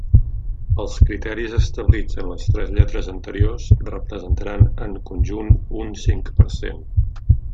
Els criteris establits en les tres lletres anteriors representaran en conjunt un cinc per cent.